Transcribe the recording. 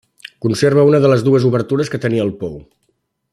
Conserva una de les dues obertures que tenia el pou.